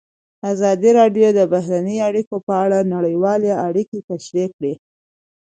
ازادي راډیو د بهرنۍ اړیکې په اړه نړیوالې اړیکې تشریح کړي.